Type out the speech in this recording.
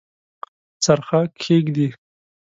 څرخه کښیږدي